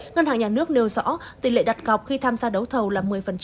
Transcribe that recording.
ngân hàng nhà nước nêu rõ tỷ lệ đặt cọc khi tham gia đấu thầu là một mươi